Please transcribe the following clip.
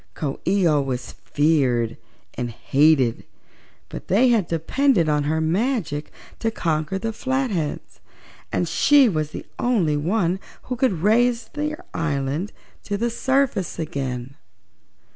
Coo ee oh was feared and hated, but they had depended on her magic to conquer the Flatheads and she was the only one who could raise their island to the surface of the lake again.